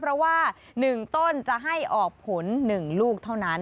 เพราะว่า๑ต้นจะให้ออกผล๑ลูกเท่านั้น